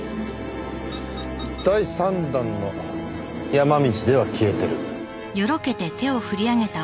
第３弾の山道では消えてる。